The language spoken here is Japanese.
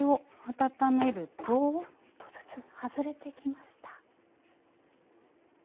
あっちょっとずつ外れてきました。